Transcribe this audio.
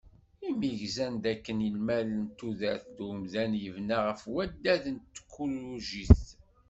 Imi gzan dakken imal n tudert n umdan yebna ɣef waddad n tkulugit.